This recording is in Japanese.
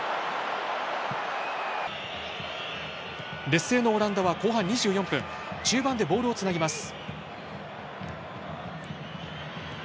劣勢のオランダは後半２４分中盤でボールをつなぎます。